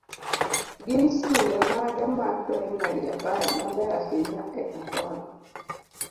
gin skunde mage mag praimari apar mabeyo ahinya e Kampala?